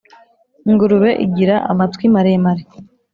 Ingurube igira amatwi maremare